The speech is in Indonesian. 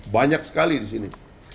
banyak sekali di sini